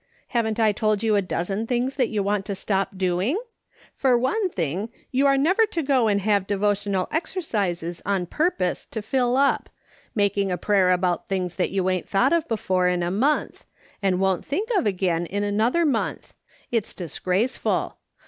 Haven't I told you a dozen things that you want to stop doing ? For one thing, you are never to go and have devotional exerci.ses on purpose to fill up — making a prayer about things that you ain't tliQught of before in a month, and won't think of again in another month. It's disgraceful.